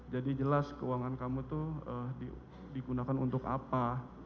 jadi jelas keuangan kamu itu digunakan untuk apa